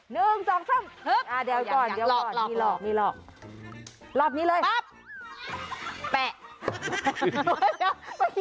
เดี๋ยวก่อนมีหลอกหลอบนี้เลยปั๊บแปะ